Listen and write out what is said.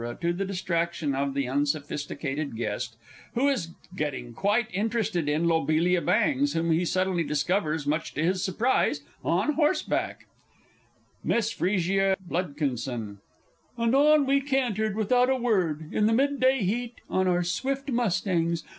to the distraction of the_ UNSOPHISTICATED GUEST, who is getting quite interested in Lobelia Bangs, whom he suddenly discovers, much to his surprise, on horseback. MISS F. B. And on we cantered, without a word, in the mid day heat, on our swift mustangs.